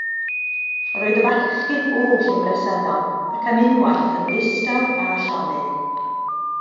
Yr oedd y bechgyn oll yn bresennol, ac am unwaith yn ddistaw a llonydd.